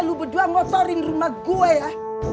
lu berdua ngotorin rumah gue ya